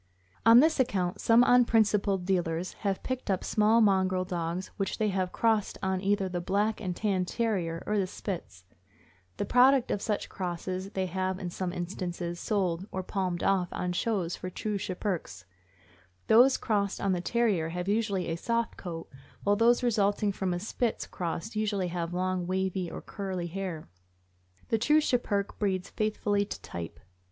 On this account, some unprincipled deal ers have picked up small mongrel dogs which they have crossed on either the Black and Tan Terrier or the Spitz. The product of such crosses they have in some instances SCHIPPERKES— MIDNIGHT AND DARKNESS. Owned by W. J. Comstock, 220 Canal street, Providence, R. I. sold or palmed off on shows for true Schipperkes. Those crossed on the Terrier have usually a soft coat, while those resulting from a Spitz cross usually have long wavy or curly hair. The true Schipperke breeds faithfully to type.